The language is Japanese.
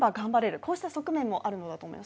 こうした側面もあるのだと思います